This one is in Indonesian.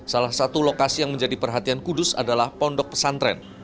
salah satu lokasi yang menjadi perhatian kudus adalah pondok pesantren